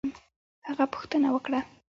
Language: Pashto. هغه پوښتنه وکړه